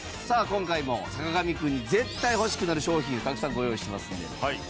さあ今回も坂上くんに絶対欲しくなる商品をたくさんご用意してますので。